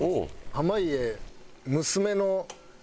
濱家。